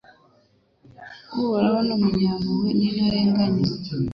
Uhoraho ni umunyampuhwe n’intarenganya